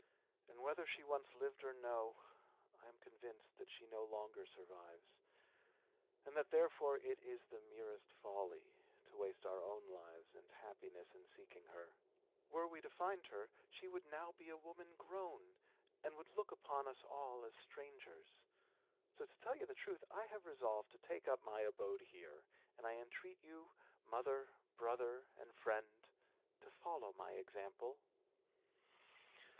And whether she once lived or no, I am convinced that she no longer survives, and that therefore it is the merest folly to waste our own lives and happiness in seeking her. Were we to find her, she would now be a woman grown, and would look upon us all as strangers. So, to tell you the truth, I have resolved to take up my abode here; and I entreat you, mother, brother, and friend, to follow my example."